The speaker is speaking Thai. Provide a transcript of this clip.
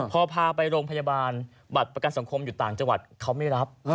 พอพาไปโรงพยาบาลบัตรประกันสังคมอยู่ต่างจังหวัดเขาไม่รับ